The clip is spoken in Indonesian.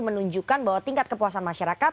menunjukkan bahwa tingkat kepuasan masyarakat